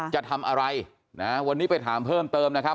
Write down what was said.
จะทำอะไรนะวันนี้ไปถามเพิ่มเติมนะครับ